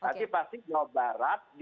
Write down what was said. tapi pasti jawa barat